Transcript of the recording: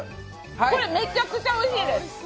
これ、めちゃくちゃおいしいです。